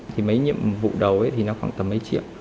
thì mấy nhiệm vụ đầu thì nó khoảng tầm mấy triệu